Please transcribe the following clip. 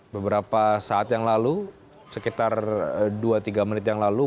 beberapa saat yang lalu sekitar dua tiga menit yang lalu